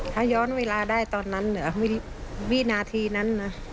ถ้าย้อนเวลาได้ตอนนั้นวินาทีนั้น